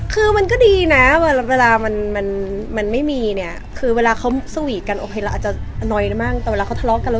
คือมันก็ดีนะเวลาไม่มีเวลาเขาคุยกันอาจจะไม่ออกนะ